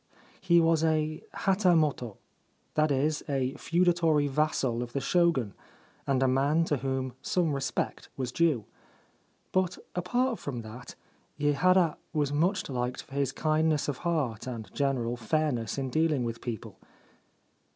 He was a hatomoto — that is, a feudatory vassal of the Shogun — and a man to whom some respect was due ; but apart from that, Yehara was much liked for his kindness of heart and general fairness in dealing with people.